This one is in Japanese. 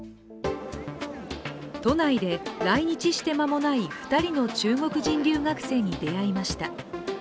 都内で来日して間もない２人の中国人留学生に出会いました。